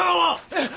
えっ？